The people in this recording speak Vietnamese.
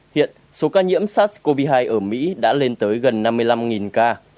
hiện số ca nhiễm sars cov hai ở mỹ đã lên tới gần năm mươi năm ca